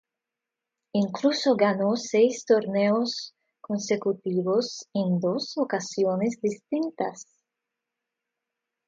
Incluso ganó seis torneos consecutivos en dos ocasiones distintas.